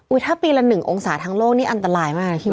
ถ้าปีละ๑องศาทั้งโลกนี่อันตรายมากนะพี่